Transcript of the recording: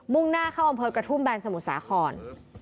่งหน้าเข้าอำเภอกระทุ่มแบนสมุทรสาคร